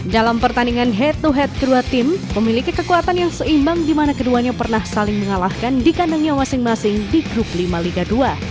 dalam pertandingan head to head kedua tim memiliki kekuatan yang seimbang di mana keduanya pernah saling mengalahkan di kandangnya masing masing di grup lima liga dua